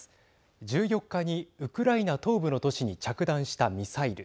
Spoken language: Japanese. １４日にウクライナ東部の都市に着弾したミサイル。